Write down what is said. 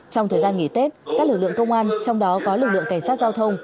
trong thời gian nghỉ tết các lực lượng công an trong đó có lực lượng cảnh sát giao thông